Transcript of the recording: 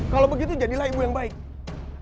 kalau begitu jadilah ibu yang baik